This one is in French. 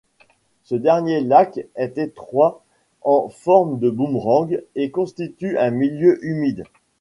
Ce dernier lac est étroit en forme de boomerang et constitue un milieu humide.